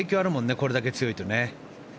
これだけ強いと。